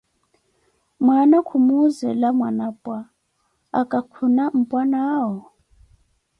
Mwaana ku muuzela Mwanapwa: Aka khuna mpwanaawo?